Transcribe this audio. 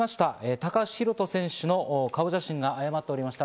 高橋宏斗選手の顔写真が誤っておりました。